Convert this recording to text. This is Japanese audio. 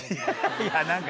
いや何か。